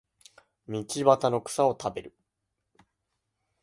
道端の草を食べる